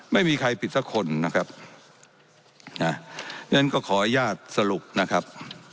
ไม่มีใครผิดสักคนนะครับนะงั้นก็ขออนุญาตสรุปนะครับ